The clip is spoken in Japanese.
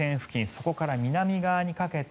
そこから南側にかけて